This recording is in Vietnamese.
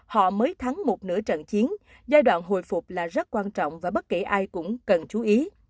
họ mới thắng một nửa trận chiến giai đoạn hồi phục là rất quan trọng và bất kể ai cũng cần chú ý